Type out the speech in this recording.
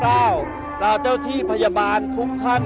เราเจ้าที่พยาบาลทุกท่าน